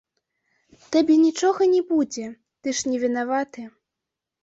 Табе нічога не будзе, ты ж не вінаваты.